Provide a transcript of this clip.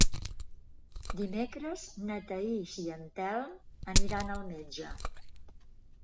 Dimecres na Thaís i en Telm aniran al metge.